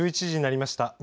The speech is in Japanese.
１１時になりました。